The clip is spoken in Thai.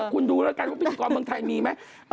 คุณดูแล้วกันว่าพิธีกรเมืองไทยมีไหม